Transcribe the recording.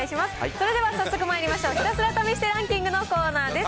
それでは早速まいりましょう、ひたすら試してランキングのコーナーです。